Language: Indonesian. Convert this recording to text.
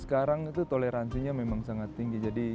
sejak saya masuk ke sini toleransi saya memang sangat tinggi